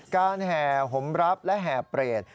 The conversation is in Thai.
แห่หมรับและแห่เปรต